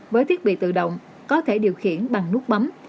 với thiết bị tự động có thể điều khiển bằng nước bấm